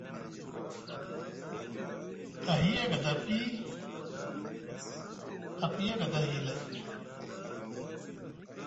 Ahi a gada api, api agada ahi lay.